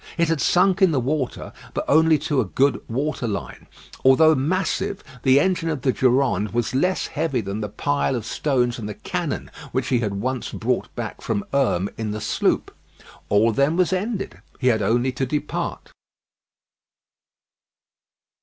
It had sunk in the water, but only to a good water line. Although massive, the engine of the Durande was less heavy than the pile of stones and the cannon which he had once brought back from Herm in the sloop. All then was ended; he had only to depart.